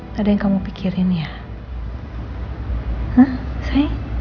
hai ada yang kamu pikirin ya hai